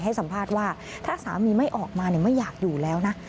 ให้สัมภาษณ์ว่าถ้าสามีไม่ออกมาไม่อยากอยู่แล้วนะ